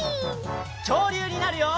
きょうりゅうになるよ！